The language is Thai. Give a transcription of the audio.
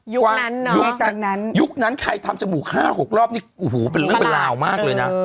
ยุคนั้นยุคนั้นใครทำจมูก๕๖รอบนี่โอ้โหเป็นเรื่องเป็นราวมากเลยนะ